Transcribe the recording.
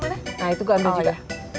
nah itu gue ambil juga